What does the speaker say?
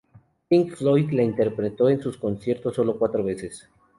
Pink Floyd la interpretó en sus conciertos sólo cuatro veces.